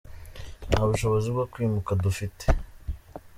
nta bushobozi bwo kwimuka dufite.